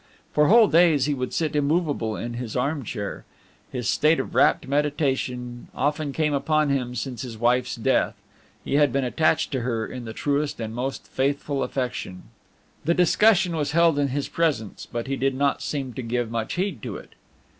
For whole days he would sit immovable in his armchair. This state of rapt meditation often came upon him since his wife's death; he had been attached to her in the truest and most faithful affection. This discussion was held in his presence, but he did not seem to give much heed to it.